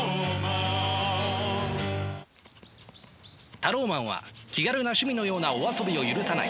タローマンは気軽な趣味のようなお遊びを許さない。